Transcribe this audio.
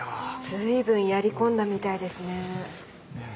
随分やり込んだみたいですね。